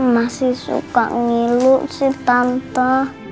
masih suka ngilu sih sampah